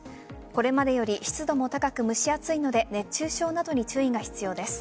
これまでより湿度も高く蒸し暑いので熱中症などに注意が必要です。